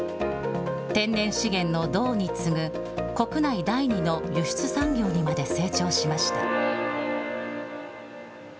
天然資源の銅に次ぐ、国内第２の輸出産業にまで成長しました。